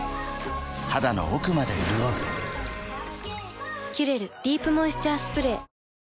肌の奥まで潤う「キュレルディープモイスチャースプレー」